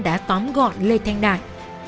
đã tóm gọn lê thanh đại